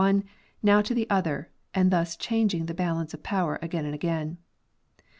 one, now to the other side, and thus changing the balance of power again and again.